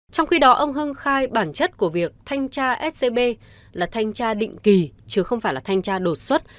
trong khi đó ông hưng khai bản chất của việc thanh tra scb là thanh tra định kỳ chứ không phải là thanh tra đột xuất